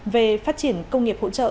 về phát triển công nghiệp hỗ trợ